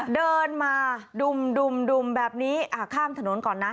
เดินมาดุ่มแบบนี้ข้ามถนนก่อนนะ